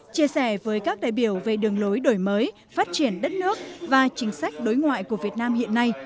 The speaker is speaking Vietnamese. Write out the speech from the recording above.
chia sẻ với các đại biểu về đường lối đổi mới phát triển đất nước và chính sách đối ngoại của việt nam hiện nay